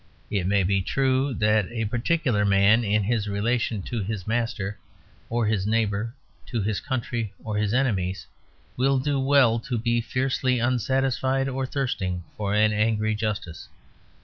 It may be true that a particular man, in his relation to his master or his neighbour, to his country or his enemies, will do well to be fiercely unsatisfied or thirsting for an angry justice.